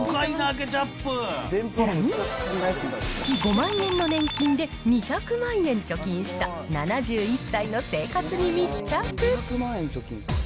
さらに、月５万円の年金で２００万円貯金した、７１歳の生活に密着。